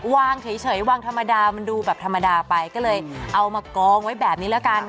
วางเฉยวางธรรมดามันดูแบบธรรมดาไปก็เลยเอามากองไว้แบบนี้แล้วกัน